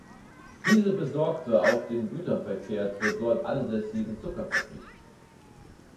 Diese besorgte auch den Güterverkehr zur dort ansässigen Zuckerfabrik.